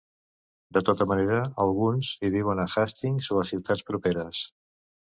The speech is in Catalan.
De tota manera, alguns hi viuen a Hastings o a ciutats properes.